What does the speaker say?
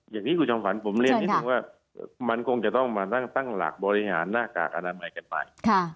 อย่างนี้คุณชอบฝันผมเรียนว่ามันคงจะต้องมาตั้งหลักบริหารหน้ากากอันนั้นใหม่กันไป